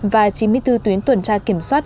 và chín mươi bốn tuyến tuần tra kiểm soát